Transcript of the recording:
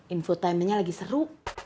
infotainmentnya lagi seru